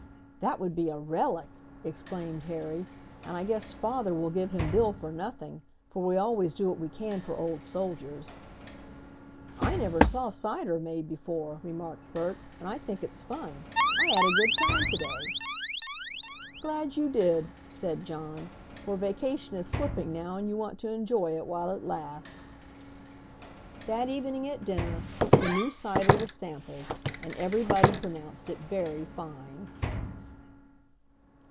"That would be a relic!" exclaimed Harry. "And I guess father will give him Bill for nothing, for we always do what we can for old soldiers." "I never saw cider made before," remarked Bert, "and I think it's fun. I had a good time to day." "Glad you did," said John, "for vacation is slipping now and you want to enjoy it while it lasts." That evening at dinner the new cider was sampled, and everybody pronounced it very fine.